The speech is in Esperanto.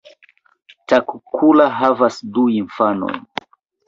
Takkula havas du infanojn.